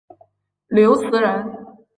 刘词人。